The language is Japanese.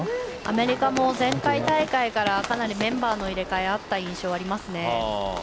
アメリカも前回大会からかなりメンバーの入れ替えあった印象がありますね。